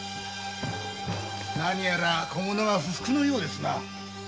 何やら小者が不服のようですな。